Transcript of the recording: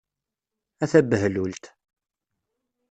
A tabehlult!